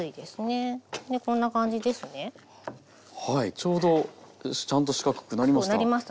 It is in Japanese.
ちょうどちゃんと四角くなりました。